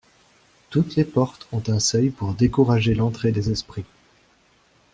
Toutes les portes ont un seuil pour décourager l'entrée des esprits.